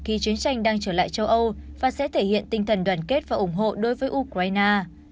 khi chiến tranh đang trở lại châu âu và sẽ thể hiện tinh thần đoàn kết và ủng hộ đối với ukraine